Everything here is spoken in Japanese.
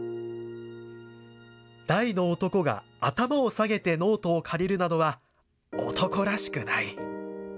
大の男が頭を下げてノートを借りるなどは男らしくない。